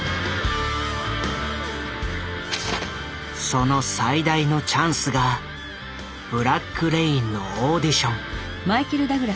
その最大のチャンスが「ブラック・レイン」のオーディション。